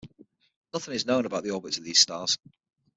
Nothing is known about the orbits of these stars.